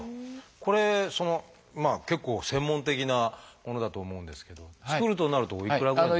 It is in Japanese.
これ結構専門的なものだと思うんですけど作るとなるとおいくらぐらい？